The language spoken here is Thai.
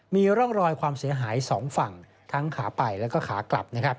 มีร่องรอยความเสียหาย๒ฝั่งทั้งขาไปและขากลับ